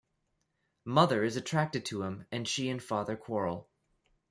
Mother is attracted to him, and she and Father quarrel.